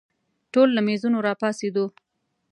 ټوله له مېزونو راپاڅېدو.